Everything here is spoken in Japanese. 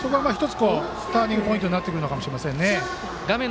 ターニングポイントになってくるのかもしれませんね。